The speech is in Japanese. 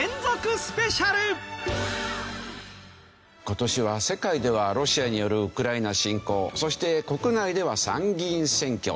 今年は世界ではロシアによるウクライナ侵攻そして国内では参議院選挙。